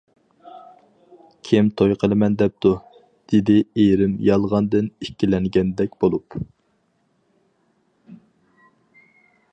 -كىم توي قىلىمەن دەپتۇ؟ -دېدى ئېرىم يالغاندىن ئىككىلەنگەندەك بولۇپ.